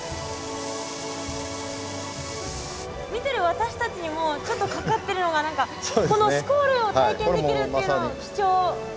見てる私たちにもちょっとかかってるのが何かこのスコールを体験できるっていうのが貴重。